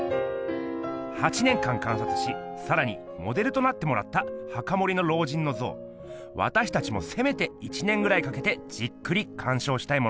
８年間観察しさらにモデルとなってもらった墓守の老人の像わたしたちもせめて１年ぐらいかけてじっくりかんしょうしたいものです。